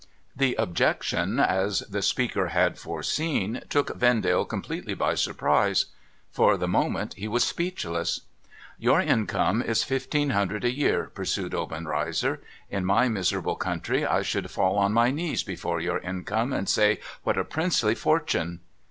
The objection, as the speaker had foreseen, took Vendale com pletely by surprise. For the moment he was speechless. ' Your income is fifteen hundred a year,' pursued Obenrcizcr. ' In my miserable country I should fall on my knees before your income, and say, " What a princely fortune